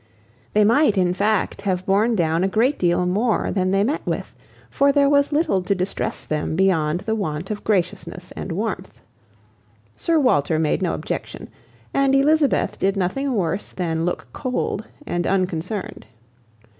They might in fact, have borne down a great deal more than they met with, for there was little to distress them beyond the want of graciousness and warmth. Sir Walter made no objection, and Elizabeth did nothing worse than look cold and unconcerned.